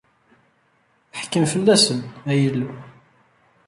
Ḥkem fell-asen, ay Illu.